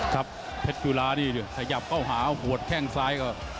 ครับเพชรจุราสะยับเข้าหาหัวแข้งซ้าย